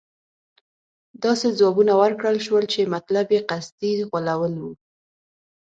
داسې ځوابونه ورکړل شول چې مطلب یې قصدي غولول وو.